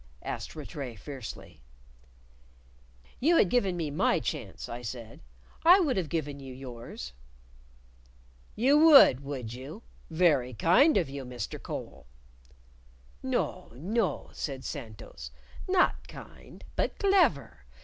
asked Rattray fiercely. "You had given me my chance," I said; "I hould have given you yours." "You would, would you? Very kind of you, Mr. Cole!" "No, no," said Santos; "not kind, but clever!